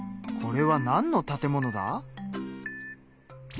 これはなんの建物だ？